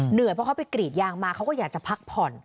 เพราะเขาไปกรีดยางมาเขาก็อยากจะพักผ่อน